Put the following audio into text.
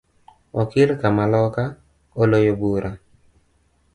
Okil kamaloka oloyo bura